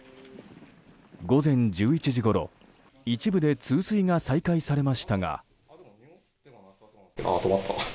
午前１１時ごろ一部で通水が再開されましたが。